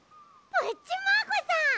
プッチマーゴさん！